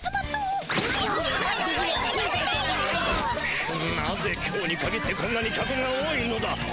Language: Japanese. くっなぜ今日にかぎってこんなに客が多いのだ。